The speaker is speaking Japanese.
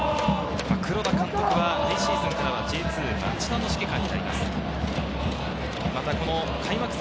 黒田監督は来シーズンからＪ２町田の指揮監になります。